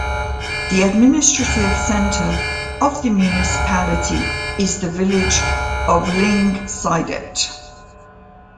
The administrative centre of the municipality is the village of Lyngseidet.